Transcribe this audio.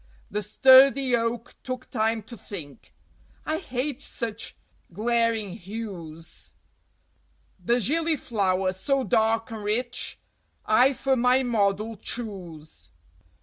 The sturdy Oak took time to think "I hate such glaring hues; The Gillyflower, so dark and rich, I for my model choose."